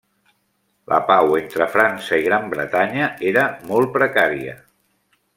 La pau entre França i Gran Bretanya era molt precària.